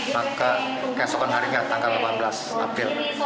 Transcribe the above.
maka keesokan hari ini tanggal delapan belas april